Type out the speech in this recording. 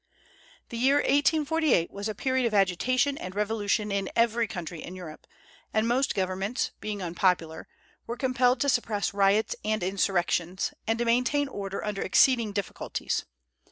The year 1848 was a period of agitation and revolution in every country in Europe; and most governments, being unpopular, were compelled to suppress riots and insurrections, and to maintain order under exceeding difficulties.